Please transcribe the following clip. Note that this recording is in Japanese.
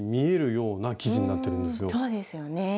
そうですよね。